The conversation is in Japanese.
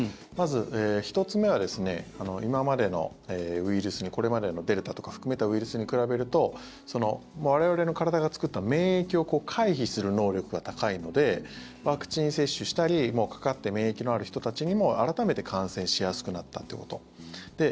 まず、１つ目は今までのウイルスにこれまでのデルタとか含めたウイルスに比べると我々の体が作った免疫を回避する能力が高いのでワクチン接種したりもうかかって免疫のある人たちにも改めて感染しやすくなったということ。